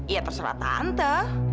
ya terserah tante